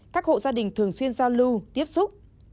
các hộ gia đình thường xuyên giao lưu tiếp xúc